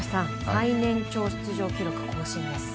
最年長出場記録を更新です。